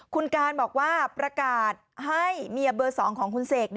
คุณการบอกว่าประกาศให้เมียเบอร์๒ของคุณเสก